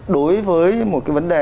đối với một cái vấn đề